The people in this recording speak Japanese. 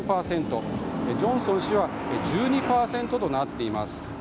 ジョンソン氏は１２％となっています。